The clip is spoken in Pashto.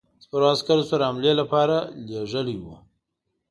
سپرو عسکرو سره حملې لپاره لېږلی وو.